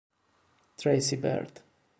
Tracy Byrd